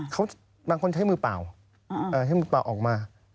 เขาบางคนใช้มือเปล่าใช้มือเปล่าออกมา